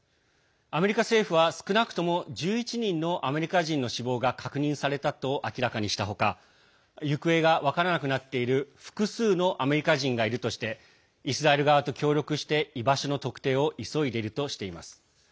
アメリカ政府は少なくとも１１人のアメリカ人の死亡が確認されたと明らかにした他行方が分からなくなっている複数のアメリカ人がいるとしてイスラエル側と協力して居場所の特定を急いでいるとしています。